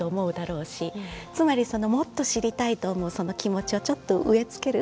つまりもっと知りたいと思う気持ちをちょっと植え付ける。